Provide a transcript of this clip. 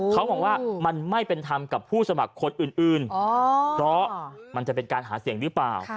เขามองว่ามันไม่เป็นธรรมกับผู้สมัครคนอื่นเพราะมันจะเป็นการหาเสียงหรือเปล่า